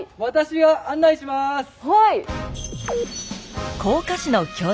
はい。